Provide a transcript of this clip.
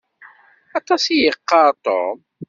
Aṭas i yeqqaṛ Tom.